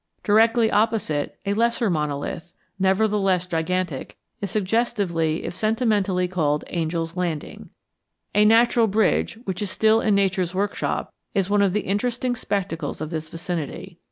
Directly opposite, a lesser monolith, nevertheless gigantic, is suggestively if sentimentally called Angel's Landing. A natural bridge which is still in Nature's workshop is one of the interesting spectacles of this vicinity.